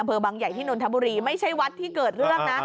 บางใหญ่ที่นนทบุรีไม่ใช่วัดที่เกิดเรื่องนะ